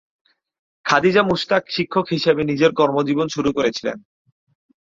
খাদিজা মুশতাক শিক্ষক হিসাবে নিজের কর্মজীবন শুরু করেছিলেন।